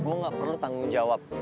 gue gak perlu tanggung jawab